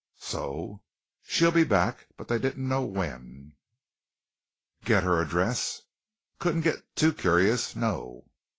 "So?" "She'll be back, but they did not know when." "Get her address?" "Couldn't get too curious. No."